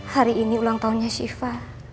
hari ini ulang tahunnya syifa